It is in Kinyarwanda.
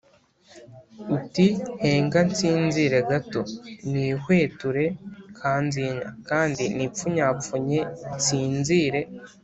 uti “henga nsinzire gato, nihweture kanzinya, kandi nipfunyapfunye nsinzire”